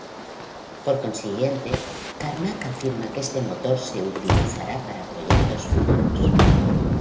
Por consiguiente, Carmack afirma que este motor se utilizará para proyectos futuros.